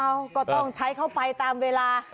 ก็ต้องใช้เข้าไปตามเวลา